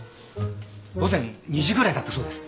午前２時ぐらいだったそうです。